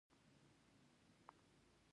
د مشرانو سپینه ږیره د برکت نښه ده.